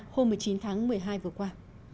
hôm một mươi chín tháng một mươi hai vừa qua